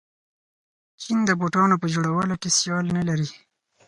چین د بوټانو په جوړولو کې سیال نلري.